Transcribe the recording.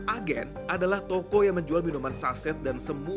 agen adalah toko yang menjual minuman saset dan semula